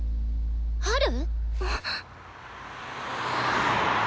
ハル？